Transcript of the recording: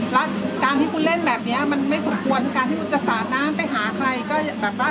แล้วการที่คุณเล่นแบบนี้มันไม่สมควรการที่คุณจะสาดน้ำไปหาใครก็แบบว่า